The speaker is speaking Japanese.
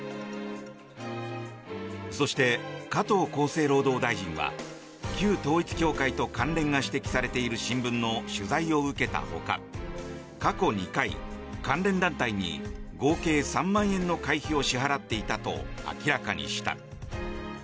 そして、加藤厚生労働大臣は旧統一教会と関連が指摘されている新聞の取材を受けたほか過去２回、関連団体に合計３万円の会費を支払っていたと明らかにした。